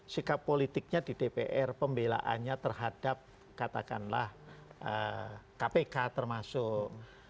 sikap politiknya di dpr pembelaannya terhadap katakanlah kpk termasuk